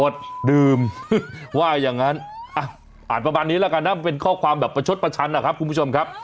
ว่าอย่างนั้นอ่านประมาณนี้แล้วกันนะมันเป็นข้อความแบบประชดประชันนะครับคุณผู้ชมครับ